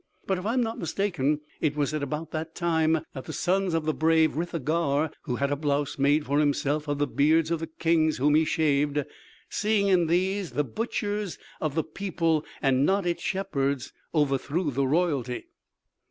But if I am not mistaken, it was at about that time that the sons of the brave Ritha Gaür, who had a blouse made for himself of the beards of the kings whom he shaved, seeing in these the butchers of the people and not its shepherds, overthrew the royalty."